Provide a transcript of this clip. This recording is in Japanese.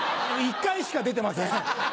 １回しか出てません。